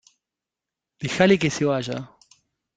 dejale que se vaya.